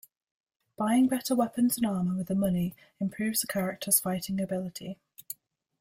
Buying better weapons and armor with the money improves a character's fighting ability.